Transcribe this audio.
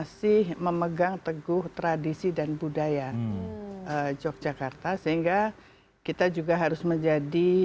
masih memegang teguh tradisi dan budaya yogyakarta sehingga kita juga harus menjadi